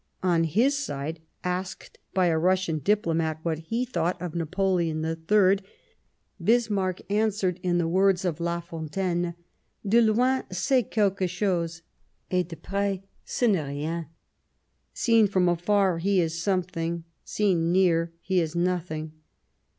On his side, asked by a Russian diplomat what he thought of Napoleon III, Bismarck answered in the words of La Fontaine :" De lorn, c'est quelque chose; et de pres, ce n'est Hen." (Seen from afar, he is something ; seen near, he is nothing.)